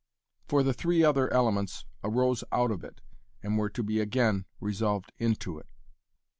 For the three other elements arose out of it and were to be again resolved into it.